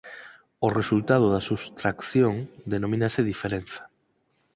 O resultado da subtracción denomínase diferenza.